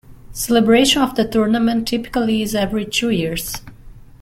Celebration of the tournament typically is every two years.